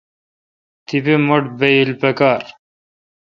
تپہ مٹھ بایل پکار۔